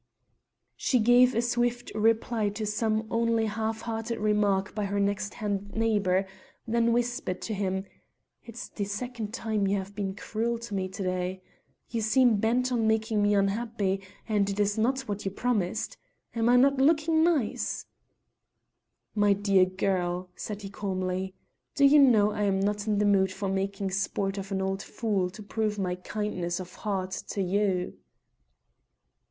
She gave a swift reply to some only half heard remark by her next hand neighbour, then whispered to him, "It's the second time you have been cruel to me to day. You seem bent on making me unhappy, and it is not what you promised. Am I not looking nice?" "My dear girl," said he calmly, "do you know I am not in the mood for making sport of an old fool to prove my Kindness of heart to you."